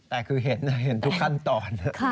แต่คือเห็นเห็นทุกขั้นตอน